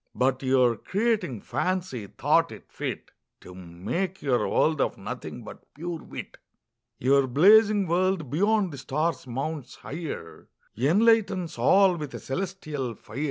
But your Creating Fancy, thought it fit To make your World of Nothing, but pure Wit. Your Blazing World, beyond the Stars mounts higher, Enlightens all with a Cœlestial Fier.